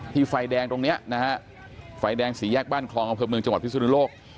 ที่ไฟแดงตรงเนี้ยนะฮะไฟแดงสี่แยกบ้านคลองของเผลอเมืองจังหวัดพิสุทธิ์โลก